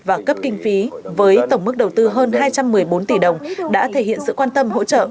và cấp kinh phí với tổng mức đầu tư hơn hai trăm một mươi bốn tỷ đồng đã thể hiện sự quan tâm hỗ trợ